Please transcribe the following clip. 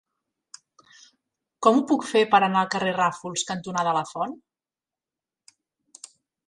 Com ho puc fer per anar al carrer Ràfols cantonada Lafont?